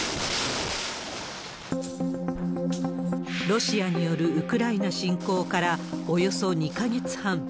ロシアによるウクライナ侵攻から、およそ２か月半。